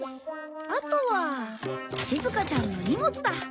あとはしずかちゃんの荷物だ。